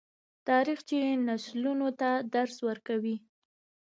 تاریخ چې نسلونو ته درس ورکوي.